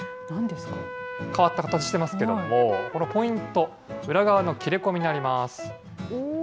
変わった形してますけども、このポイント、裏側の切れ込みにあります。